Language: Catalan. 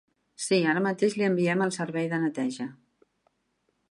Sí, ara mateix li enviem el servei de neteja.